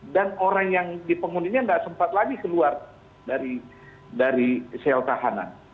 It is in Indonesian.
dan orang yang dipengundingnya tidak sempat lagi keluar dari sel tahanan